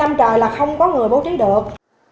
do đó hai năm trời là không có người bố trí được